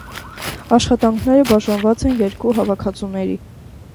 Աշխատանքները բաժանված են երկու հավաքածուների։